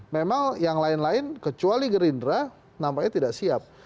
memang yang lain lain kecuali gerindra nampaknya tidak siap